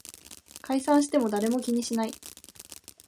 解散しても誰も気にしない